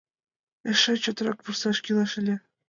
Эше чотрак вурсаш кӱлеш ыле!